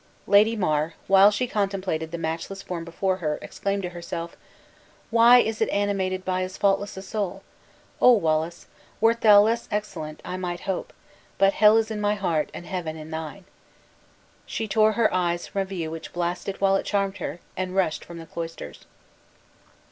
Lady mar, while she contemplated the matchless form before her, exclaimed to herself, "Why is it animated by as faultless a soul? Oh, Wallace! wert thou less excellent, I might hope; but hell is in my heart, and heaven in thine!" She tore her eyes from a view which blasted while it charmed her, and rushed from the cloisters.